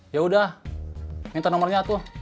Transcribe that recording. yaudah minta nomornya tuh